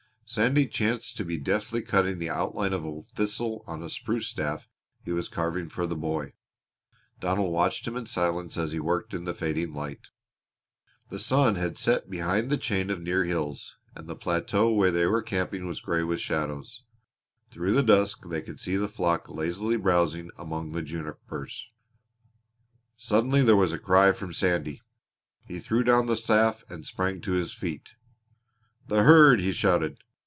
Sandy chanced to be deftly cutting the outline of a thistle on a spruce staff he was carving for the boy. Donald watched him in silence as he worked in the fading light. The sun had set behind the chain of near hills, and the plateau where they were camping was gray with shadows. Through the dusk they could see the flock lazily browsing among the junipers. Suddenly there was a cry from Sandy. He threw down the staff and sprang to his feet. "The herd!" he shouted.